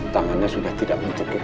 tangannya sudah tidak mencukup